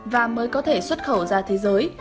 và mới có thể xuất khẩu ra thế giới